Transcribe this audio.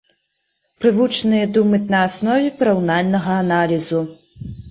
Прывучаныя думаць на аснове параўнальнага аналізу.